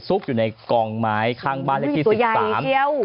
ตัวใหญ่เที่ยว